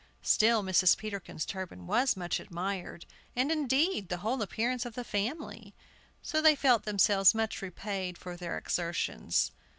Still Mrs. Peterkin's turban was much admired, and indeed the whole appearance of the family; so that they felt themselves much repaid for their exertions.